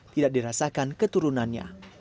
tidak dirasakan keturunannya